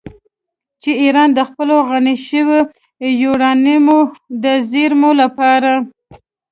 چې ایران د خپلو غني شویو یورانیمو د زیرمو لپاره